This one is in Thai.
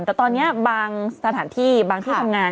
แต่ตอนนี้บางสถานที่บางที่ทำงาน